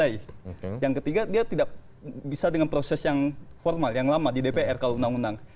yang ketiga dia tidak bisa dengan proses yang formal yang lama di dpr kalau undang undang